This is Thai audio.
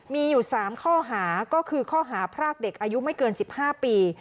มีอยู่๓ข้อหาก็คือข้อหาพรากเด็กอายุไม่เกิน๑๕ปี